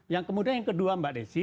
yang kemudian yang kedua mbak desi